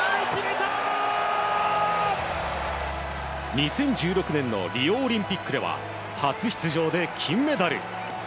２０１６年のリオオリンピックでは初出場で金メダル。